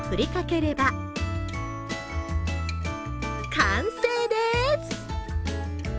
完成でーす！